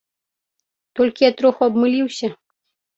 Толькі я троху абмыліўся.